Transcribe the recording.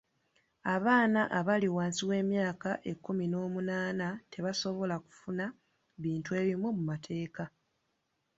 Abaana abali wansi w'emyaka ekkumi n'omunaana tebasobola kufuna bintu ebimu mu mateeka.